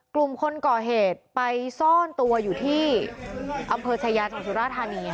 กลุ่มคนก่อเหตุไปซ่อนตัวอยู่ที่อำเภอชายาจังหวัดสุราธานี